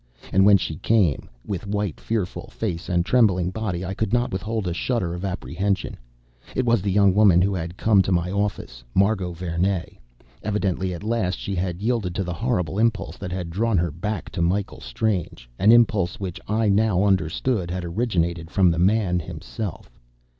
And when she came, with white, fearful face and trembling body, I could not withhold a shudder of apprehension. It was the young woman who had come to my office Margot Vernee. Evidently, at last, she had yielded to the horrible impulse that had drawn her back to Michael Strange, an impulse which, I now understood, had originated from the man himself.